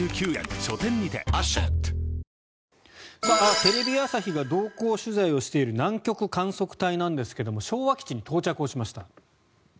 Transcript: テレビ朝日が同行取材をしている南極観測隊が昭和基地に到着をしました。